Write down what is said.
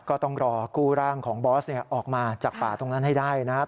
ก็ต้องรอกู้ร่างของบอสออกมาจากป่าตรงนั้นให้ได้นะครับ